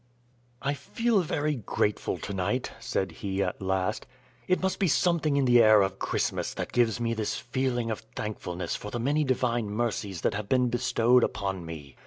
"I feel very grateful to night," said he, at last; "it must be something in the air of Christmas that gives me this feeling of thankfulness for the many divine mercies that have been bestowed upon me.